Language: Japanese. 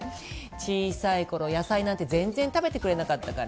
小さい頃野菜なんて全然食べてくれなかったから。